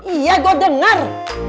iya gua denger